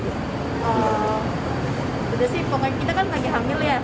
berarti sih pokoknya kita kan lagi hamil ya